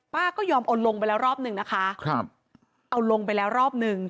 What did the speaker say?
ก็ยอมเอาลงไปแล้วรอบหนึ่งนะคะครับเอาลงไปแล้วรอบหนึ่ง